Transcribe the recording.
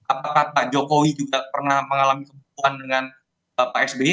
apakah pak jokowi juga pernah mengalami kebutuhan dengan pak sby